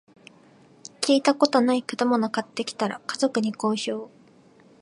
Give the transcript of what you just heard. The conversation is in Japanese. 聞いたことない果物買ってきたら、家族に好評